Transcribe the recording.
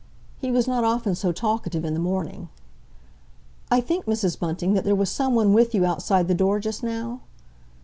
He was not often so talkative in the morning. "I think, Mrs. Bunting, that there was someone with you outside the door just now?"